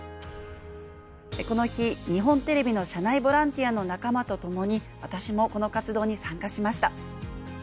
この日日本テレビの社内ボランティアの仲間とともに私もこの活動に参加しました。